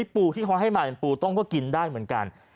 ปูที่เขาให้มาเป็นปูต้มก็กินได้เหมือนกัน